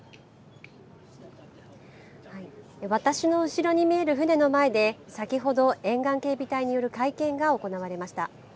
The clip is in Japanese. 私の後ろに見える船の前で、先ほど、沿岸警備隊による会見が行われました。